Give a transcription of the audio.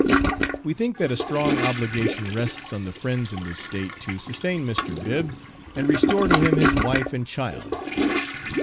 We think that a strong obligation rests on the friends in this State to sustain Mr. Bibb, and restore to him his wife and child.